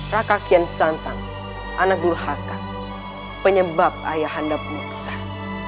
raka kian santang anak dulhaka penyebab ayah anda pun ngeksan